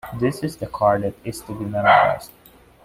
This is the card that is to be memorized.